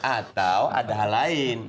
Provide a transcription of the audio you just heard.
atau ada hal lain